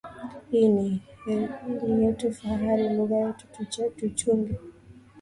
Hii ni yetu fahari, lugha yetu tuichunge.